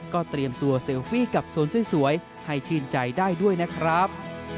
ก็เตรียมตัวเซลฟี่กับโซนสวยให้ชื่นใจได้ด้วยนะครับ